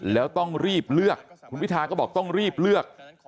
แล้วต้องรีบเลือกคุณพิทาก็บอกต้องรีบเลือก